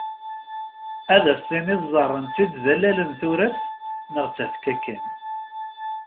Ad as-tiniḍ ẓẓaren-tt-id d allal n turart neɣ d tafekka kan.